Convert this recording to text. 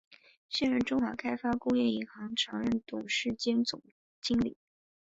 现任中华开发工业银行常务董事兼总经理。